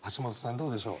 どうでしょう？